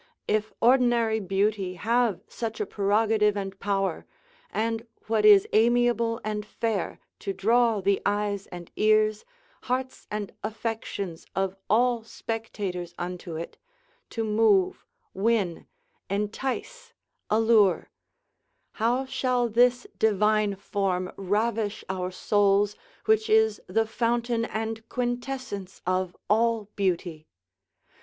If ordinary beauty have such a prerogative and power, and what is amiable and fair, to draw the eyes and ears, hearts and affections of all spectators unto it, to move, win, entice, allure: how shall this divine form ravish our souls, which is the fountain and quintessence of all beauty?